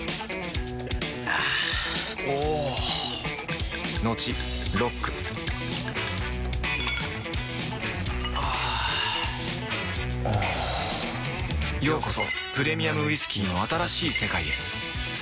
あぁおぉトクトクあぁおぉようこそプレミアムウイスキーの新しい世界へ